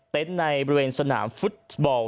เต็นต์ในบริเวณสนามฟุตบอล